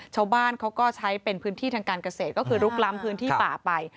ชาวบ้านเขาก็ใช้เป็นพื้นที่ทางการเกษตรก็คือลุกล้ำพื้นที่ป่าไป